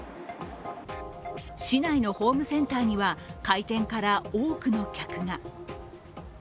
市内のホームセンターには開店から多くの客が。